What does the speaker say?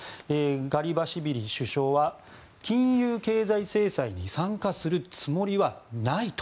ガリバシビリ首相は金融経済制裁に参加するつもりはないと。